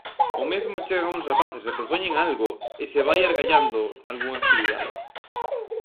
O mesmo chegan uns rapaces e propoñen algo e se vai argallando algunha actividade.